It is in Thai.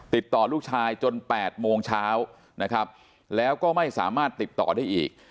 ติดต่อลูกชายจน๘โมงเช้านะครับแล้วก็ไม่สามารถติดต่อได้อีก